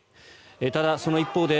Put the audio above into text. ただ、その一方で